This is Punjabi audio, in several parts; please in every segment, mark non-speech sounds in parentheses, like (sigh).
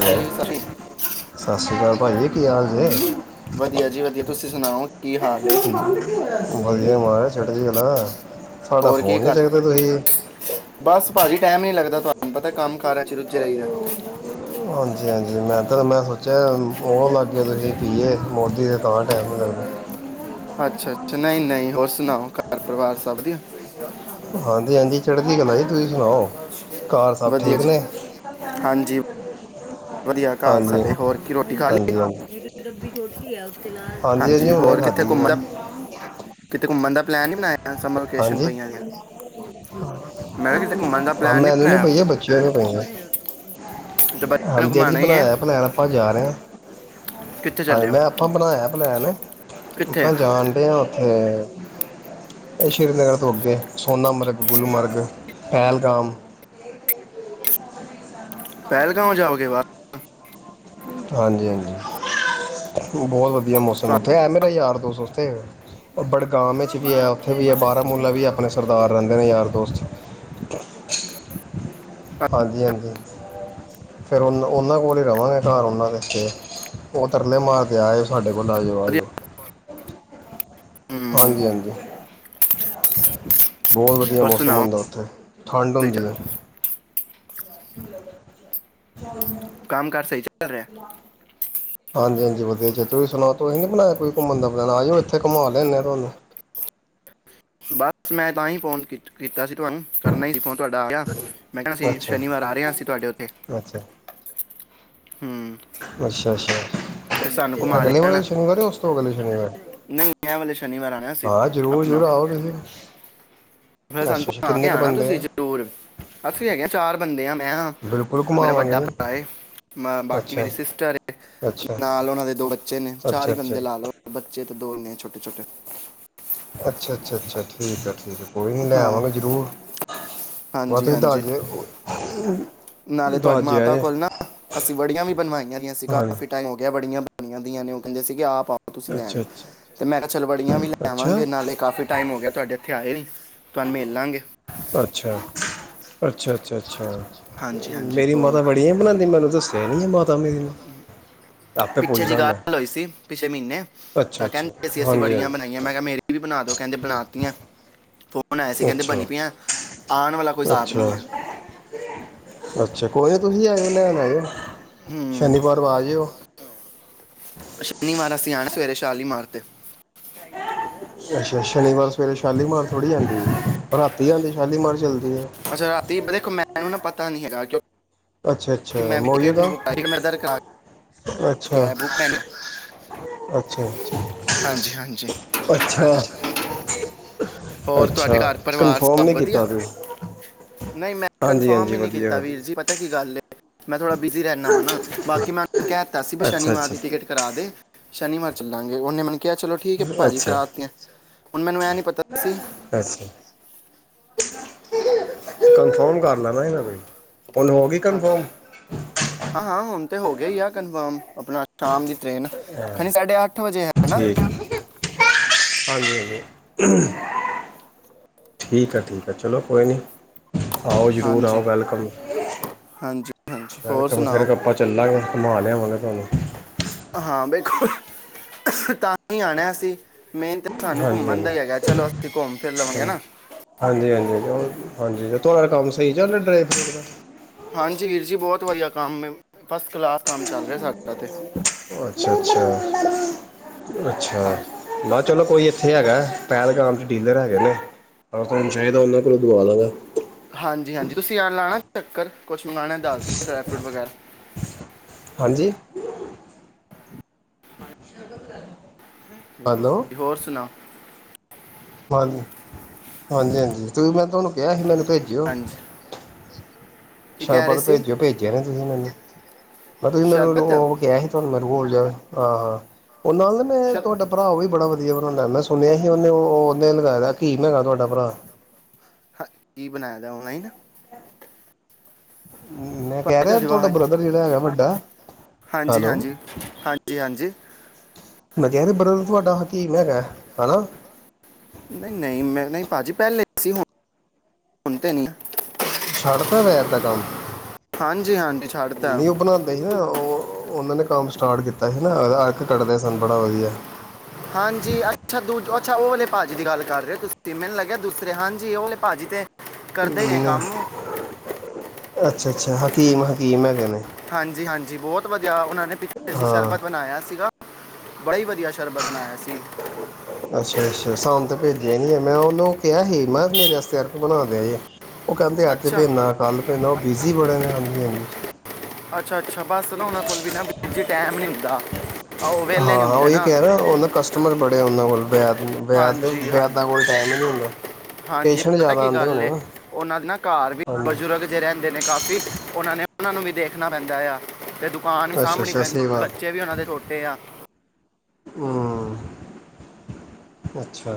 ਹੈਲੋ ਜੀ ਸਾਰੀ ਸਤਿ ਸ਼੍ਰੀ ਅਕਾਲ ਭਾਅ ਜੀ ਕੀ ਹਾਲ ਜ ਵਧੀਆ ਜੀ ਵਧੀਆ ਤੁਸੀਂ ਸੁਣਾਓ ਕੀ ਹਾਲ ਹੈ ਵਧੀਆ ਮਹਾਰਾਜ ਛ (unintelligible) ਹੋਰ ਕੀ ਕਰ ਬਸ ਭਾਜੀ ਟਾਈਮ ਨ ਲੱਗਦਾ ਤੁਹਾਨੂੰ ਪਤਾ ਕੰਮ ਕਾਰਾ ਚ ਰੁੱਝੇ ਰਹੀਦਾ ਹਾਂਜੀ ਹਾਂਜੀ ਮੈਂ ਤਾਂ ਮੈਂ ਸੋਚਿਆ ਉਹ ਲਾਗੇ ਤੁਸੀ ਪੀਏ ਮੋਦੀ ਦੇ ਤਾ ਟਾਈਮ ਅੱਛਾ ਅੱਛਾ ਨਹੀਂ ਨਹੀਂ ਹੋਰ ਸੁਣਾਓ ਘਰ ਪਰਿਵਾਰ ਸਭ ਦੀਆਂ ਹਾਂਜੀ ਹਾਂਜੀ ਚੜ੍ਹਦੀ ਗਲਾ ਜੀ ਤੁਸੀਂ ਸੁਣਾਓ ਘਰ ਸਭ ਵਧੀਆ ਠੀਕ ਜੀ ਨੇ ਵਧਆ ਘਰ ਹਾਂਜੀ ਹਾਂਜੀ ਸਾਡੇ ਹੋਰ ਕੀ ਰੋਟੀ ਖਾ ਹਾਂਜੀ ਹਾਂਜੀ ਹੁਣੇ ਹੋਰ ਖਾਧੀ ਜੀ ਕਿਥੇਮਣ ਮੈਂ ਦਾ ਕਿਥ ਘੁੰਮਣ ਦਾ ਪਲਨ ਬਣਾਆ ਸਮ ਲੋਕੇਸ਼ਨ ਹਾਂਜੀ ਪਆਂ ਮੈਡ ਕਿ ਮਨ ਦਾ ਹਾਂ ਪਲੈਨ ਨ ਮੈਨੂੰ ਨਹੀਂ ਬਣਾਇਆ ਪਈ ਹੈ ਬੱਚਿਆਂ ਨੂੰ ਪਈ ਹੈ ਬੱਚੇ ਨੂੰ ਹਾਂਜੀ ਜੀ ਘੁਮਾਣਾ ਹੀ ਹੈ ਬਣਾਇਆ ਬਲਾੈਣ ਆਪਾਂ ਜਾ ਰਹੇ ਹ ਕਿੱਥੇ ਹਾਂ ਚੱਲੇ ਹੋ ਮੈਂ ਆਪਾਂ ਬਣਾਇਆ ਪਲੈਨ ਕਿੱਥੇ ਆਪਾਂ ਜਾਣ ਡ ਹ ਹਮ ਇਹ ਸ਼੍ਰੀਨਗਰ ਤੋਂ ਅੱਗੇ ਸੋਨਾਮਰਗ ਗੁਲਮਰਗ ਪਹਿਲਗਾਮ ਪਹਿਲਗਾਂਉ ਜਾਓਗੇ ਵ ਹਾਂਜੀ, ਹਾਂਜੀ। ਬਹੁਤ ਵਧੀਆ ਮੌਸਮ ਉੱਥੇ ਐ ਮੇਰਾ ਯਾਰ ਦੋਸ ਬੜਗਾਮ ਤੁਹਾਨੂੰ ਵਿੱਚ ਆਪ ਵੀ ਹੈ ਉੱਥੇ ਆਗੇ ਵੀ ਬਾਹਰ ਬਾਰਾਮੂਲਾ ਵੀ ਸੱਜਣ ਆਪਣੇ ਸਰਦਾਰ ਰਹਿੰਦੇ ਨੇ ਯਾਰ ਦੋਸਤ ਹਾਂਜੀ, ਹਾਂਜੀ। ਫਿਰ ਉਹਨੂੰ ਉਹਨਾਂ ਕੋਲ ਹੀ ਰਵਾਂਗੇ ਘਰ ਉਹਨਾਂ ਦੇ ਉਤੇ ਉਹ ਤਰਨੇ ਮਾਰ ਕੇ ਆਇਓ ਸਾਡੇ ਕੋਲ ਆ ਜਾਓ ਆ ਜਾਓ ਹਮ, ਹਾਂਜੀ, ਹਾਂਜੀ ਬਹੁਤ ਵਧੀਆ ਹੋਰ ਮੌਸਮ ਸੁਣਾਓ ਹੁੰਦਾ ਉੱਥੇ। ਠੰਡ ਸਹੀ ਹੁੰਦੀ ਚੱਲ ਹੈ। (unintelligible) ਕੰਮ ਕਾਰਜ ਸਹੀ ਚੱਲ ਰ। ਹਾਂਜੀ, ਹਾਂਜੀ ਵਧੀਆ ਜੇ ਤੁਸੀਂ ਸੁਣਾਓ ਤੁਸੀਂ ਨੀ ਬਣਾਇਆ ਕੋਈ ਘੁੰਮਣ ਦਾ ਪੈਣਾ ਆਇਓ ਇੱਥੇ ਘੁੰਮਾ ਲੈਂਦੇ ਆ ਤੁਹਾਨੂੰ ਬਸ ਮੈਂ ਤਾਂ ਹੀ ਫੋਨ ਕੀਤਾ ਸੀ। ਤੁਗ ਕਰਨਾ ਹੀ ਸੀ ਫੋਨ। ਤੁਹਾਡਾ ਆਆ ਮੈਂ ਕਹਿਣਾ ਅਸੀਂ ਅੱਛਾ ਸ਼ਨੀਵਾਰ ਆ ਰਹੇ ਹ ਅਸੀਂ ਤੁਹਾਡੇ ਉੱਥੇ। ਅੱਛਾ ਹਮ। ਅੱਛਾ, ਅੱਛਾ ਘੁਮਾ ਅਗਲੇ ਵਾਰੇ ਲੈਣਾ ਸ਼ਨੀਵਾਰ ਉਸ ਤੋਂ ਅਗਲੇ ਸ਼ਨੀਵਾਰ ਨਹੀਂ ਐ ਵਾਲੇ ਸ਼ਨੀਵਾਰ ਆਣਾ ਸੀ ਹਾਂ ਜ਼ਰੂਰ ਆਪਣਾ ਜ਼ਰੂਰ ਆਓਗੇ। ਫਿਰ ਸਾਨੂੰ ਅੱਛਾ ਆ ਕੇ ਕਿੰਨੇ ਕੁ ਆਣਾ ਬੰਦੇ ਤੁਸੀਂ ਆ ਜਰੂਰ ਅਸੀਂ ਹੈਗੇ ਚਾਰ ਬੰਦੇ ਆ। ਮੈਂ ਬਿਲਕੁਲ ਮੇਰਾ ਵੱਡਾ ਘੁਮਾਵਾਂਗੇ ਭਰਾ ਮ ਬਾਕੀ ਅੱਛਾ ਮੇਰੀ ਸਿਸਟਰ ਅੱਛਾ ਨਾਲ ਉਹਨਾਂ ਦੇ ਦੋ ਬੱਚੇ ਨੇ ਚਾਰ ਹੀ ਅੱਛਾ ਅੱਛਾ ਬੰਦੇ ਲਾ ਲਓ ਬੱਚੇ ਤੇ ਦੋ ਨੇ ਛੋਟੇ। (inaudible) ਅੱਛਾ, ਅੱਛਾ, ਅੱਛਾ। ਠੀਕ ਆ, ਠੀਕ ਆ। ਕੋਈ ਨਹੀਂ ਲੈ ਹਾਂ ਆਵਾਂਗੇ ਜ਼ਰੂਰ -ਮਸ ਹਾਂਜੀ ਤੁਸੀਂ ਹਾਂਜੀ ਦੱਸ ਜ ਨਾਲੇ ਤੁਹਾਡੇ ਮਾਤਾ ਕੋਲ ਨਾ ਅਸੀਂ ਵੜੀਆਂ ਵੀ ਬਣਵਾਈਆਂ ਰਆਂ ਸੀ ਹਾਂਜੀ ਕਾਫੀ ਟਾਈਮ ਹੋ ਗਿਆ। ਬੜੀਆਂ ਬਣੀਆਂ ਦੀਆਂ ਨੇ ਉਹ ਕਹਿੰਦੇ ਸੀ ਕਿ ਆਪ ਪਾਓ ਤੁਸੀਂ ਲੈਣ ਅੱਛਾ ਤੇ ਮੈਂ ਕਿਹਾ ਚਲਵੜੀਆਂ ਵੀ ਅੱਛਾ ਅੱਛਾ ਲੈਵਾਂਗੇ ਨਾਲੇ ਕਾਫੀ ਟਾਈਮ ਹੋ ਗਿਆ ਤੁਹਾਡੇ ਇੱਥੇ ਆਏ ਨੀ ਤੁਹਾਨੂੰ ਮਿਲ ਲਾਂਗੇ ਅੱਛਾ। ਅੱਛਾ, ਅੱਛਾ, ਅੱਛਾ। ਹਾਂਜੀ ਹਾਂਜੀ ਮੇਰੀ ਹੋਰ ਮਾਤਾ ਬੈ ੜੀਆਂ ਬਣਾਉਦੀ ਮੈਨੂੰ ਦੱਸਿਆ ਨੀ ਆ ਮਾਤਾ ਮੇਰੀ ਨੂੰ। ਪਿੱਛੇ ਜਿਹੀ ਗ ਹੋਈ ਸੀ ਪਿਛੇ ਮਹੀਨੇ ਅੱਛਾ ਤਾਂ ਅੱਛਾ ਕਹਿੰਦੇ ਅਸੀਂ ਅਸੀਂ ਹਾਂਜੀ ਬੜੀਆਂ ਹਾਂਜੀ ਬਣਾਈਆਂ ਮੈਂ ਕਿਹਾ ਮੇਰੀ ਵੀ ਬਣਾ ਦਉ ਕਹਿੰਦੇ ਬਣਾਤੀਆਂ ਫੋਨ ਆਇਆ ਸੀ ਕਹਿੰਦੇ ਬਣੀ ਅੱਛਾ, ਪਈਆਂ ਆਉਣ ਵਾਲਾ ਕੋਈ ਹਿਸਾਬ ਨਹੀਂ ਅੱਛਾ, ਹੈ ਅੱਛਾ। ਕੋਈ ਨਹੀਂ ਤੁਸੀਂ ਆਓ ਲੈਣ ਆਓ ਹੂੰ ਸ਼ਨੀਵਾਰ ਆ ਜਿਓ। ਸ਼ਨੀਵਾਰ ਅਸੀਂ ਆਣੇ ਸਵੇਰੇ ਛਾਲੀ ਮਾਰ ਤੇ। ਅੱਛਾ ਸ਼ਨੀਵਾਰ ਸਵੇਰੇ ਸ਼ਾਲੀਮਾਰ ਥੋੜ੍ਹੀ ਆਦੀ ਤੀ ਆਦੇ ਸ਼ਾਲੀਮਾਰਚਲ ਅੱਛਾ। ਰਾਤੀ ਮੈਨੂੰ ਨਾ ਪਤਾ ਪਤਾ ਨਹੀਂ ਹੈਗਾ। ਕਿਉਂ ਅੱਛਾ ਅੱਛਾ ਮਆ ਗ ਦਰ ਕਰਾ ਅੱਛਾ ਕੈਬ ਬੁੱਕ ਮੈਨੂੰ ਅੱਛਾ ਹਾਂਜੀ ਹਾਂਜੀ ਅੱਛਾ ਹੋਰ ਤੁਹਾਡੇ ਅੱਛਾ ਘਰ ਪਰਿਵਾਰ ਕਨਫਰਮ ਸਭ ਨਹੀਂ ਵਧੀਆ ਕੀਤਾ ਤੁਸੀਂ ਨਹੀਂ ਮੈਂ ਹਾਂਜੀ ਕਨਫਰਮ ਹਾਂਜੀ ਹੀ ਨਹੀਂ ਵਧੀਆ ਕੀਤਾ ਵੀਰ ਵਧੀਆ ਜੀ ਪਤਾ ਕੀ ਗੱਲ ਹੈ ਮੈਂ ਥੋੜਾ ਬਿਜ਼ੀ ਰਹਿੰਦਾ ਵਾ ਨਾ ਬਾਕੀ ਮੈਂ ਕਹਿ ਦਿੱਤਾ ਸੀ ਵੀ ਅੱਛਾ ਸ਼ਨੀਵਾਰ ਅੱਛਾ ਦੀ ਟਿਕਟਾ ਦੇ ਸ਼ਨੀਵਾਰ ਚੱਲਾਂਗੇ ਉਹਨੇ ਮੈਨੂੰ ਕਿਹਾ ਚਲੋ ਠੀਕ ਹੈ ਭਾਜੀ ਅੱਛਾ ਕਰਾਤੀ ਹੁਣ ਮੈਨੂੰ ਇਹਂ ਨੀ ਪਤਾ ਸੀ ਅੱਛਾ ਕਨਫਰਮ ਕਰ ਲੈਣਾ ਸੀ ਮੈਂ ਕੋਈ ਹੁਣ ਹੋ ਗਈ ਹਾਂਜੀ ਕੰਨਫਰਮ ਹਾਂ ਹਾਂ ਹੁਣ ਤੇ ਹੋ ਗ ਹੀ ਆ ਕਨਫਰਮ ਆਪਣਾ ਸ਼ਾਮ ਦੀ ਟੇਨ ਖਣੀ ਸਾਡੇ ਅੱਠ ਵਜੇ ਹੈ ਨਾ ਠੀਕ ਹਾਂਜੀ ਹਾਂਜੀ ਠੀਕ ਆ ਠੀਕ ਆ ਚਲੋ ਕੋਈ ਨਹੀਂ ਆਓ ਜ਼ਰੂਰ ਆਓ ਹਾਂਜੀ ਵੈਲਕਮ ਹਾਂਜੀ ਹਾਂਜੀ ਹੋਰ ਵੈਲਕਮ ਸੁਣਾਓ ਫਿਰ ਆਪਾਂ ਚੱਲਾਂਗੇ ਸਮਾ ਲਿਆਵਗੇ ਤੁਹਾਨੂੰ ਹਾਂ ਬਿਲਕੁਲ ਤਾਂ ਹੀ ਆਣਾ ਅ ਸੀ ਮੇਨ ਤੇ ਸਾਨੂੰ ਹਾਂਜੀ ਘੁੰਮਣ ਦਾ ਹੀ ਹਾਂਜੀ ਹੈਗਾ ਚਲੋ ਅਸੀਂ ਘੁੰਮ ਫਿਰ ਲਵਾਂਗੇ ਨਾ ਹਾਂਜੀ ਹਾਂਜੀ ਤੁਹਾਡੇਾ ਕੰਮ ਸਹੀ ਚ ਡਰਾਈ ਫਰੂਟ ਦਾ ਹਾਂਜੀ ਵੀਰ ਜੀ ਬਹੁਤ ਵਧੀਆ ਕੰਮ ਮੈਂ ਅੱਛਾ ਅੱਛਾ ਅੱਛਾ ਹਾਂਜੀ ਨਾ ਚਲੋ ਕੋਈ ਇੱਥੇ ਹੈਗਾ ਪਹਿਲਗਾਮ ਚ ਡੀਲਰ ਹੈ ਗ ਨਾ ਪਰ ਤੁਹੂੰ ਸ਼ਾਹੀਦਾ ਉਹਨਾਂ ਕੋਲੋਂ ਦਵਾ ਦਵਗਾ ਹਾਂਜੀ ਹਾਂਜੀ ਤੁਸੀਂ ਆ ਲਾਣਾ ਚੱਕਰ ਕੁਛ ਮੰਗਗਾਉਣਾ ਦੱਸ ਦਓ ਡਰਾਈ ਫਰੂਟ ਵਗੈਰਾ ਹਾਂਜੀ ਹੈਲੋ ਹੋਰ ਸੁਣਾਓ ਹਾਂਜੀ ਹਾਂਜੀ ਹਾਂਜੀ ਤੇ ਮੈਂਹਾਨੂੰ ਕਿਹਾ ਸੀ ਮੈਨੂੰ ਭੇਜਿਓ ਪੰਜਜੀ ਸ਼ਰਬਤ ਭੇਜਿਓ ਭੇਜਿਆ ਨੇ ਤੁਸੀਂ ਇਹਨਾਂ ਨੇ ਮੈਂ ਤੁਸੀਂ ਮੈਨੂੰ ਸ਼ਰਬਤ ਉਹ ਕਿਹਾ ਸੀ ਤੁਹਾਨੂੰ ਮ ੋਲ ਜਾ ਆਹ ਹਾਂ ਉਹਨਾਂ ਨਾਲ ਮੈਂ ਸ਼ਰ ਤੁਹਾਡਾ ਭਰਾ ਉਹ ਵੀ ਬੜਾ ਵਧਈਆ ਵਧੀਆ ਬਣਾਉਂਦਾ ਮੈਂ ਸੁਣਿਆ ਸੀ ਉਹਨੇ ਉਹ ਉਹਨੇ ਲਗਾਇ ਦਾ ਕੀ ਮੈਂਗਾ ਤੁਹਾਡਾ ਭਰਾ ਹਾਂ ਕੀ ਬਣਾਇਆ ਦਾ ਉਹ ਹੀ ਨਾ ਹਮ ਮੈਂ ਕਹਿ ਰਿਹਾ ਤੁਹਾਡੀ ਤੁਹਾਡਾ ਆਵਾਜ਼ ਬ੍ਰਦਰ ਜਿਹੜਾ ਹੈਗਾ ਵੱਡਾ ਹਾਂਜੀ ਹੈਲੋ ਹਾਂਜੀ ਹਾਂਜੀ ਹਾਂਜੀ ਮੈਂ ਕਿਹਾਹਿ ਬ੍ਰ ਤੁਹਾਡਾ ਹ ਕੀ ਮੈਂਗਾ ਹੈਾ ਨਹੀਂ ਨਹੀਂ ਮੈਂ ਨਹੀਂ ਭਾਜੀ ਪਹਿਲੇ ਸੀ ਸੁਣ ਤੇ ਨੀ ਛੱਡਤਾ ਵੈ ਏਦਾ ਕੰਮ ਹਾਂਜੀ ਹਾਂਜੀ ਛੱਡਤਾ ਨੀ ਉਹ ਬਣਾਉਂਦੇ ਸੀ ਨਾ ਉਹ ਉਹਨਾਂ ਨੇ ਕੰਮ ਸਟਾਰਟ ਕੀਤਾ ਸੀ ਨਾ ਅਰਕ ਕੱਢਦੇ ਸਨ ਬੜਾ ਵਧੀਆ ਹਾਂਜੀ ਅੱਛਾ ਦੂਜ ਅੱਛਾ ਉਹਲੇ ਭਾਜੀ ਦੀ ਗੱਲ ਕਰ ਰਹੇ ਹੋ ਤੁਸੀਂ ਮੈਨੂੰ ਲੱਗਿਆ ਦੂਸਰੇ ਹਾਂਜੀ ਉਹਓਲੇ ਭਾਜੀੀ ਤੇ ਕਰਦੇ ਰਹੇ ਕੰਮ ਅੱਛਾੱਾ ਹਕੀਮ ਹਕੀਮੈਂ ਕਹਿਿੰ ਹਾਂਜੀ ਹਾਂਜੀ ਜੀਹੁਤ ਵਧਆ ਕ ਉਹਨਾਂ ਨੇ ਪਿੱਛੇ ਦੀ ਹਾਂ ਸ਼ਰਬਤ ਬਣਾਇਆ ਸੀਗਾ ਬੜਾ ਹੀ ਵਧੀਆ ਸ਼ਰਬਤਨਾਇਆ ਸੀ ੇ ਨੀ ਮੈਂ ਉਹਨੂੰ ਕਿਹਾ ਹੀ ਮੈਂ ਕਿਹਾ ਮੇਰੇਸਤੇ ਅਰਕ ਬਣਾ ਦ ਜੇ ਉਹ ਕਹਿੰਦੇ ਅੱਜ ਵੀ ਅੱਛਾ ਇੰਨਾ ਕੱਲ੍ਹ ਪੈਂਦਾ ਉਹ ਬਿਜ਼ੀ ਬੜੇ ਨੇ ਹਾਂਜੀ ਹਾਂਜੀ ਅੱਛਾ ਅੱਛਾ ਬਸ ਨਾਹਾਉਣੇ ਕੋਲ ਬਿਨਾਂ ਬੀ ਟਾਈਮ ਨਹੀਂ ਦਿੰਦਾ ਹਾਂ ਹਾਂ ਉਹੀ ਕਹਿ ਨਾ ਉਹ ਕਸਟਮਰ ਬੜੇ ਉਹਨਾਂ ਕੋਲ ਪਿਆ ਹਾਂਜੀ ਹਾਂਜੀ ਹੁੰਦਾ ਹਾਂਜੀ ਪੇਸ਼ੈਂਟ ਪਤਾ ਜ਼ਿਆਦਾ ਕੀ ਆਉਂਦੇ ਹੋਣੇ ਗੱਲ ਨਾ ਉਹਨਾਂ ਦੇ ਨਾ ਘਰ ਵੀ ਹਾਂਜੀ ਬਜ਼ੁਰਗ ਜਿ ਰਹਿੰਦੇ ਨੇ ਕਾਫ਼ੀ ਉਹਨਾਂ ਨੇ ਉਹਨਾਂ ਨੂੰ ਵੀ ਦੇਖਣਾ ਪੈਂਦਾ ਆ ਤੇ ਆ ਨਹੀਂ ਸਾਂਭਣੀ ਅੱਛਾ-ਅੱਛਾ ਪੈਂਦੀ ਸੇਵਾ ਬੱਚੇ ਵੀ ਉਹਨਾਂ ਦੇ ਛੋਟੇ ਆ ਹਾਂ ਅੱਛਾ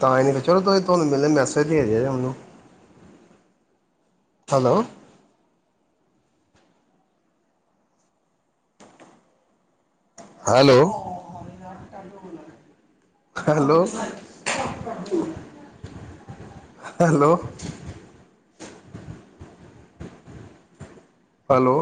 ਤਾਂ ਹੀ ਨੀ ਚਲੋਸੀਂ ਤੁਹਾਨੂੰ ਮੇਨੂੰ ਮੈਸੇਜ ਦੇ ਦੇ ਜ ਮੈਨੂੰ ਹੈਲੋ ਲੋ ਹੈਲੋ ਹੈਲੋ ਹੈਲੋ